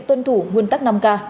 tuân thủ nguyên tắc năm k